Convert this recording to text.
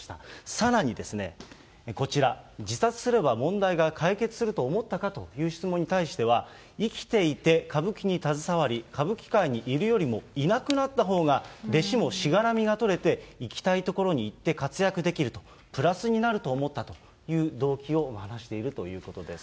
さらにですね、こちら、自殺すれば問題が解決すると思ったかという質問に対しては、生きていて歌舞伎に携わり、歌舞伎界にいるよりも、いなくなったほうが弟子もしがらみが取れて行きたいところに行って、活躍できると、プラスになると思ったという動機を話しているということです。